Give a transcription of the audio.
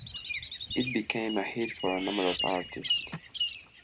It became a hit for a number of artists.